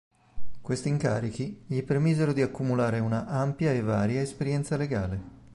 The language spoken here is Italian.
Questi incarichi gli permisero di accumulare una ampia e varia esperienza legale.